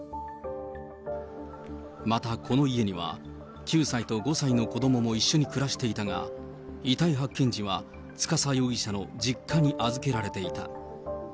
またこの家には９歳と５歳の子どもも一緒に暮らしていたが、遺体発見時は司容疑者の実家に預けられていた。